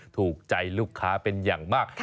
ถูกใจลูกค้าเป็นอย่างมาก